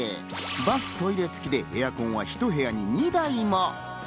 バス、トイレ付きでエアコンは１部屋に２台も。